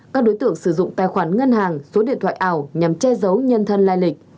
các đối tượng sử dụng tài khoản ngân hàng số điện thoại ảo nhằm che giấu nhân thân lai lịch